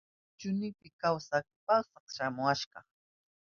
Kuchuynipi kawsak pasyak shamuwashka.